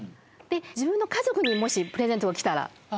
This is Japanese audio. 自分の家族にもしプレゼント来たら？